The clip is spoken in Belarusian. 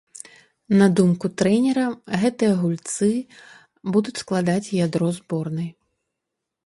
На думку трэнера, гэтыя гульцы будуць складаць ядро зборнай.